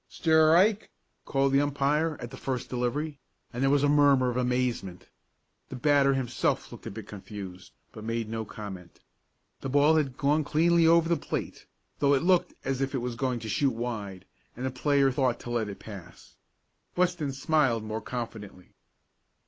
"Strike!" called the umpire, at the first delivery, and there was a murmur of amazement. The batter himself looked a bit confused, but made no comment. The ball had gone cleanly over the plate, though it looked as if it was going to shoot wide, and the player had thought to let it pass. Weston smiled more confidently.